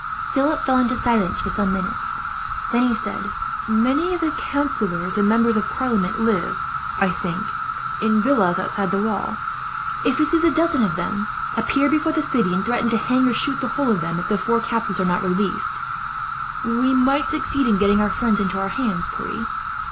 Philip fell into silence for some minutes, then he said: "Many of the councillors and members of parliament live, I think, in villas outside the walls. If we seize a dozen of them, appear before the city, and threaten to hang or shoot the whole of them, if the four captives are not released, we might succeed in getting our friends into our hands, Pierre."